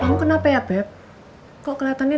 kamu kenapa ya beb kok keliatannya